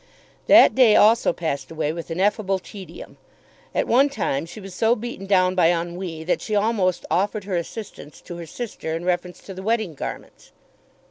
That day also passed away with ineffable tedium. At one time she was so beaten down by ennui that she almost offered her assistance to her sister in reference to the wedding garments.